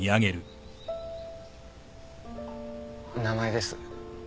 名前です。